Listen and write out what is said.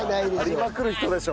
ありまくる人でしょ。